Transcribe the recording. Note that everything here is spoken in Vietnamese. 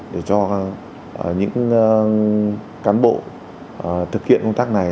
để cho những cán bộ thực hiện công tác này